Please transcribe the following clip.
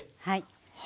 はい。